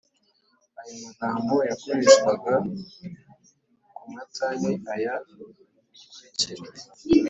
ayomagambo yakoreshwaga kumata ni aya akurikira